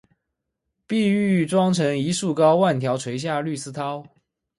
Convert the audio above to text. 碧玉妆成一树高，万条垂下绿丝绦